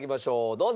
どうぞ！